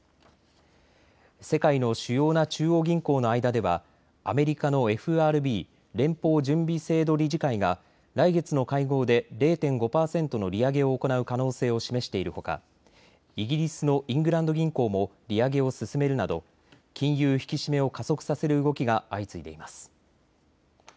世界の主要な中央銀行の間ではアメリカのＦＲＢ・連邦準備制度理事会が来月の会合で０．５％の利上げを行う可能性を示しているほかイギリスのイングランド銀行も利上げを進めるなど金融引き締めを加速させる動きが相次いでいます。